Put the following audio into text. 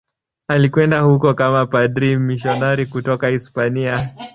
Alikwenda huko kama padri mmisionari kutoka Hispania.